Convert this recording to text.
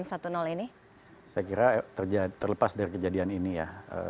saya kira terlepas dari kejadian ini ya